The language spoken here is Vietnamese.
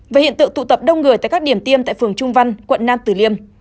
về hiện tượng tụ tập đông người tại các điểm tiêm tại phường trung văn quận nam tử liêm